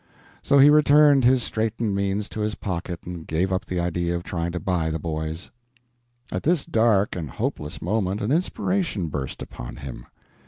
So he returned his straitened means to his pocket, and gave up the idea of trying to buy the boys. At this dark and hopeless moment an inspiration burst upon him.